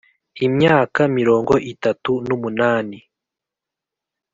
imyaka mirongo itatu n umunani